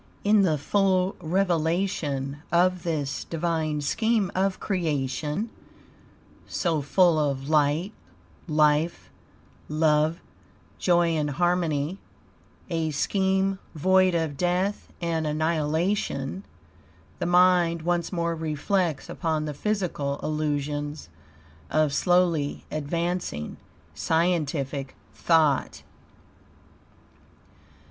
In the full revelation of this divine scheme of creation, so full of light, life, love, joy and harmony, a scheme void of death and annihilation, the mind once more reflects upon the physical illusions of slowly advancing scientific thought.